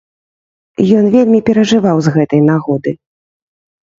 Ён вельмі перажываў з гэтай нагоды.